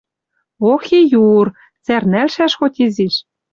Ох и юр! Цӓрнӓлшӓш хоть изиш.